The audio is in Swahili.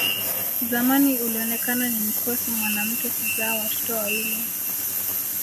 Zamani ilionekana ni mkosi mwanamke kuzaa watoto wawili